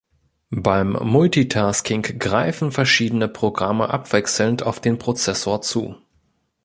Beim Multitasking greifen verschiedene Programme abwechselnd auf den Prozessor zu.